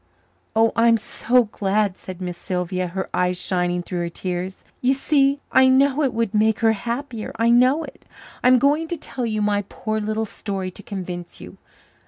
"Oh, I'm so glad," said Miss Sylvia, her eyes shining through her tears. "You see, I know it would make her happier I know it. I'm going to tell you my poor little story to convince you.